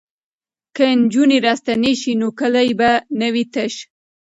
که نجونې راستنې شي نو کلی به نه وي تش.